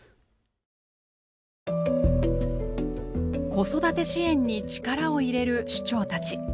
子育て支援に力を入れる首長たち。